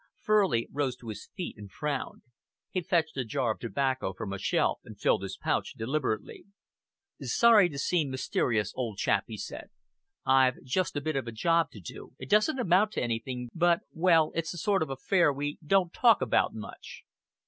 Furley rose to his feet and frowned. He fetched a jar of tobacco from a shelf and filled his pouch deliberately: "Sorry to seem mysterious, old chap," he said. "I've just a bit of a job to do. It doesn't amount to anything, but well, it's the sort of affair we don't talk about much."